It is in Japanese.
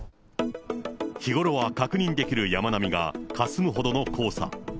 日頃は確認できる山並みがかすむほどの黄砂。